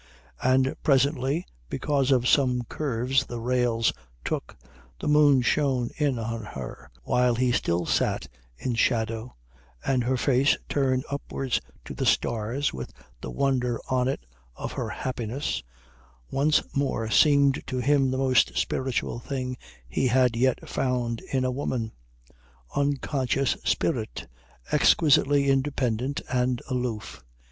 And presently because of some curves the rails took the moon shone in on her while he still sat in shadow, and her face, turned upwards to the stars with the wonder on it of her happiness, once more seemed to him the most spiritual thing he had yet found in a woman unconscious spirit, exquisitely independent and aloof.